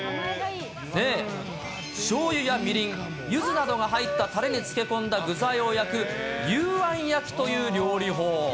しょうゆやみりん、ゆずなどが入ったたれに漬け込んだ具材を焼く幽庵焼きという料理法。